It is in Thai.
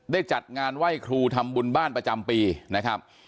จัดงานไหว้ครูทำบุญบ้านประจำปีนะครับ